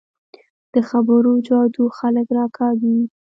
د خبرو جادو خلک راکاږي